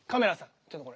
ちょっとこれ。